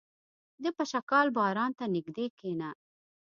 • د پشکال باران ته نږدې کښېنه.